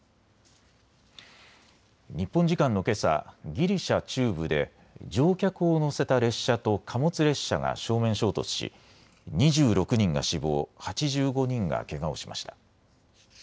日本時間のけさ、ギリシャ中部で乗客を乗せた列車と貨物列車が正面衝突し、２６人が死亡、８５人がけがをしました。